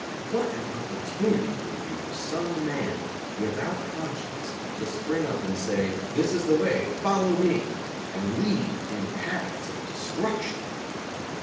What an opportunity it would be for some man without conscience to spring up and say: "This is the way. Follow me!" and lead in paths of destruction!